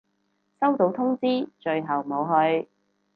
收到通知，最後冇去